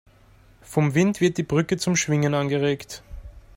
Vom Wind wird die Brücke zum Schwingen angeregt.